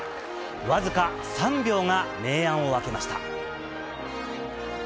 僅か３秒が明暗を分けました。